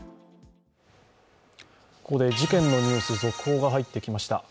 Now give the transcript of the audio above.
ここで事件のニュース続報が入ってきました。